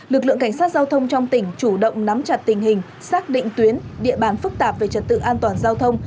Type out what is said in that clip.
lực lượng cảnh sát giao thông trong tỉnh chủ động nắm chặt tình hình xác định tuyến địa bàn phức tạp về trật tự an toàn giao thông